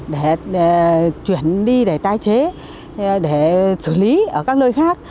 để chuyển đi để tái chế để xử lý ở các nơi khác